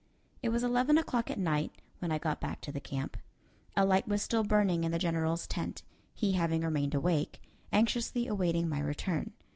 It was eleven o'clock at night when I got back to the camp. A light was still burning in the General's tent, he having remained awake, anxiously awaiting my return.